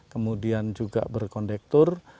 kemudian juga berkondektur